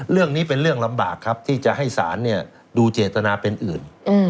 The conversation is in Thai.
เรื่องนี้เป็นเรื่องลำบากครับที่จะให้ศาลดูเจตนาเป็นอื่น